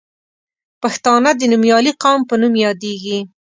پښتانه د نومیالي قوم په نوم یادیږي.